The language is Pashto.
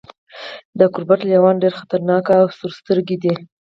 د ګوربت لیوان ډیر خطرناک او سورسترګي دي.